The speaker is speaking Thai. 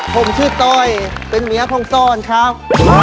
ผมชื่อต้อยเป็นเมียของซ่อนครับ